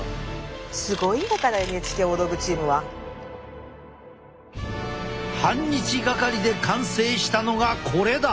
すごいんだからＮＨＫ大道具チームは。半日掛かりで完成したのがこれだ。